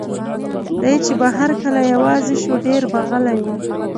دی چې به هر کله یوازې شو، ډېر به غلی و.